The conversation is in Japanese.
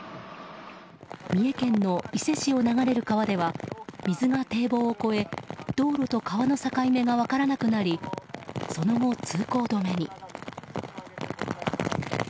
三重県の伊勢市を流れる川では水が堤防を越え道路と川の境目が分からなくなりその後、通行止めに。